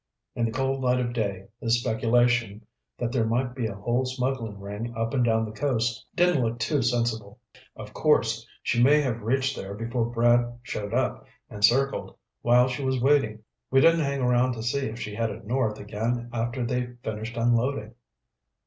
In the cold light of day, his speculation that there might be a whole smuggling ring up and down the coast didn't look too sensible. "Of course she may have reached there before Brad showed up and circled while she was waiting. We didn't hang around to see if she headed north again after they finished unloading."